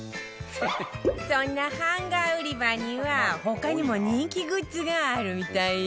そんなハンガー売り場には他にも人気グッズがあるみたいよ